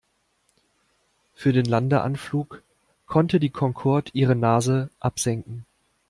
Für den Landeanflug konnte die Concorde ihre Nase absenken.